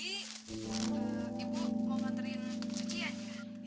ibu mau materin cucian ya